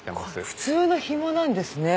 普通のヒモなんですね。